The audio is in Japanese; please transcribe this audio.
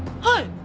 はい。